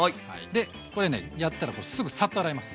でこれねやったらすぐサッと洗います。